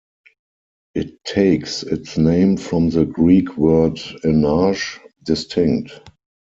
It takes its name from the Greek word enarge, distinct.